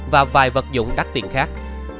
và vài vật dụng đắt tiền khác